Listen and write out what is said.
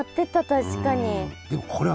確かに。